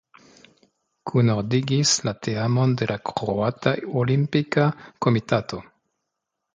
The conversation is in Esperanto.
Kunordigis la teamon la Kroata Olimpika Komitato.